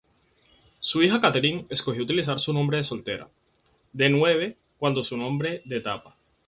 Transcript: Su hija Catherine escogió utilizar su nombre soltera, Deneuve, cuando su nombre de etapa.